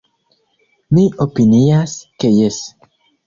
Mi opinias ke jes.